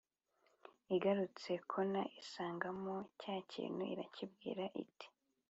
igarutse kona isangamo cya kintu irakibwira iti: “